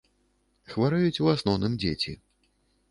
Хварэюць у асноўным дзеці.